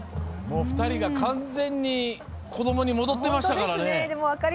２人が完全に子どもに戻ってましたからね。